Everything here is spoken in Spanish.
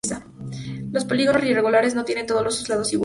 Los polígonos irregulares no tienen todos sus lados iguales.